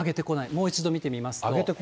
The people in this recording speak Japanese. もう一度見てみますと。